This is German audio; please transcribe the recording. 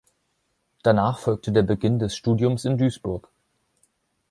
Danach folgte der Beginn des Studiums in Duisburg.